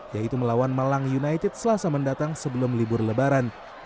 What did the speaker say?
yaitu melawan malang united selasa mendatang sebelum libur lebaran